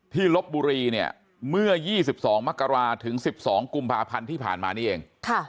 ลบบุรีเนี่ยเมื่อ๒๒มกราถึง๑๒กุมภาพันธ์ที่ผ่านมานี่เอง